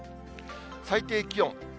最低気温。